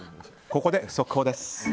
ここで速報です。